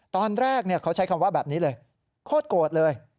ตอนแรกเขาใช้คำว่าแบบนี้เลยโคตรโกรธเลย